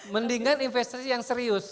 mendingan investasi yang serius